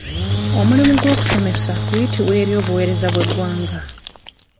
Omulimu gw'okusomesa kuyitibwa eri obuweereza bw'eggwanga.